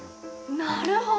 なるほど。